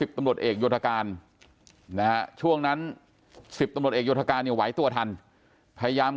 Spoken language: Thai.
๑๐ตำรวจเอกโยธกาลช่วงนั้น๑๐ตำรวจเอกโยธกาลไว้ตัวทันพยายาม